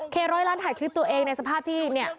ร้อยล้านถ่ายคลิปตัวเองในสภาพที่เนี่ย